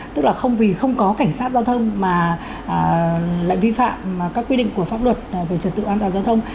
tức là không vì không có cảnh sát giao thông mà lại vi phạm các quy định của pháp luật về trật tự an toàn giao thông